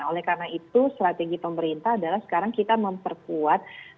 oleh karena itu strategi pemerintah adalah sekarang kita memperkuat